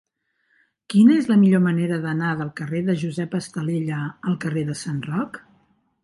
Quina és la millor manera d'anar del carrer de Josep Estalella al carrer de Sant Roc?